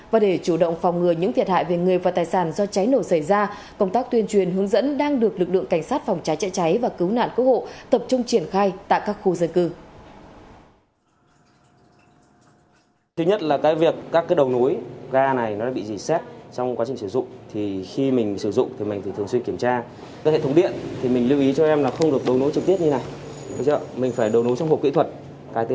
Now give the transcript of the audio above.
và để chủ động phòng ngừa những thiệt hại về người và tài sản do cháy nổ xảy ra công tác tuyên truyền hướng dẫn đang được lực lượng cảnh sát phòng cháy chạy cháy và cứu nạn quốc hộ tập trung triển khai tại các khu dân cư